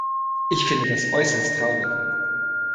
Ich finde das äußerst traurig.